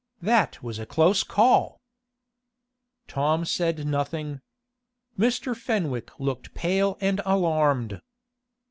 "That was a close call!" Tom said nothing. Mr. Fenwick looked pale and alarmed.